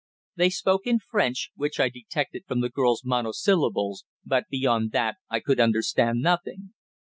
They spoke in French, which I detected from the girl's monosyllables, but beyond that I could understand nothing.